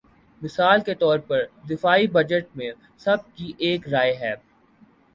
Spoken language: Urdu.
مثال کے طور پر دفاعی بجٹ میں سب کی ایک رائے ہے۔